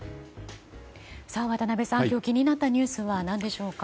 渡辺さん、今日気になったニュースは何でしょうか。